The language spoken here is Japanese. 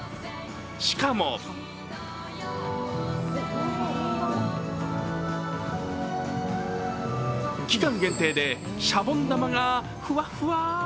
しかも期間限定で、シャボン玉がふわふわ。